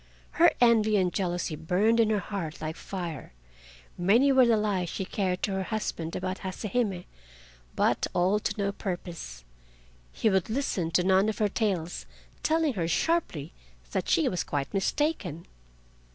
Her envy and jealousy burned in her heart like fire. Many were the lies she carried to her husband about Hase Hime, but all to no purpose. He would listen to none of her tales, telling her sharply that she was quite mistaken.